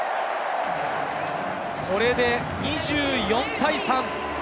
これで２４対３。